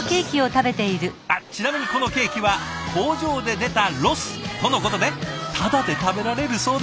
あっちなみにこのケーキは工場で出たロスとのことでタダで食べられるそうです。